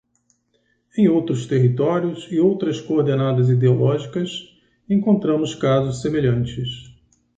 Em outros territórios e outras coordenadas ideológicas, encontramos casos semelhantes.